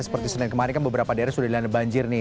seperti senin kemarin kan beberapa daerah sudah dilanda banjir nih